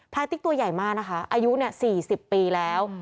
ติ๊กตัวใหญ่มากนะคะอายุ๔๐ปีแล้ว